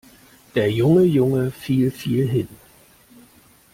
Der junge Junge fiel viel hin.